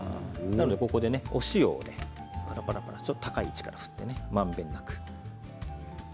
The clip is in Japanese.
ここでお塩をパラパラとちょっと高い位置から振ってまんべんなく。